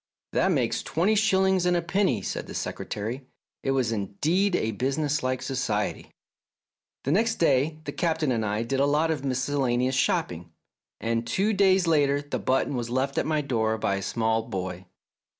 "That makes twenty shillings and a penny," said the Secretary. It was indeed a businesslike Society. The next day the Captain and I did a lot A SECRET SOCIETY 159 of miscellaneous shopping, and two days later the button was left at my door by a small boy.